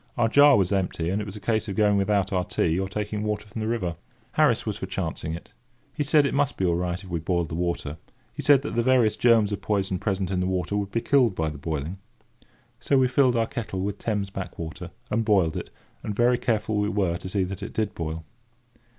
Our jar was empty, and it was a case of going without our tea or taking water from the river. Harris was for chancing it. He said it must be all right if we boiled the water. He said that the various germs of poison present in the water would be killed by the boiling. So we filled our kettle with Thames backwater, and boiled it; and very careful we were to see that it did boil.